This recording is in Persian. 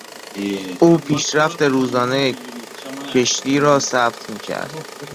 او پیشرفت روزانهی کشتی را ثبت میکرد.